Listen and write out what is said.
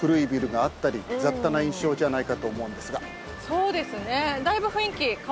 そうですね。